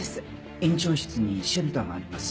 院長室にシェルターがあります